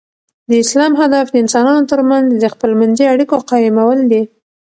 د اسلام هدف د انسانانو تر منځ د خپل منځي اړیکو قایمول دي.